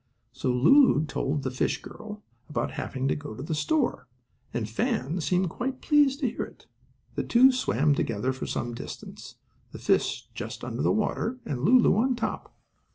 So Lulu told the fish girl about having to go to the store, and Fan seemed quite pleased to hear it. The two swam on together for some distance, the fish just under the water and Lulu on top.